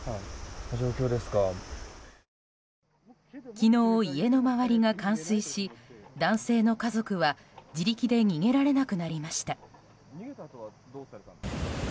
昨日、家の周りが冠水し男性の家族は自力で逃げられなくなりました。